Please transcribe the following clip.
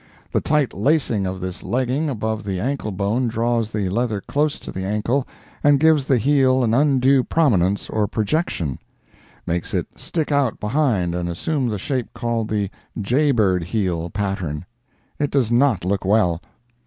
The tight lacing of this legging above the ankle bone draws the leather close to the ankle and gives the heel an undue prominence or projection—makes it stick out behind and assume the shape called the "jay bird heel" pattern. It does not look well.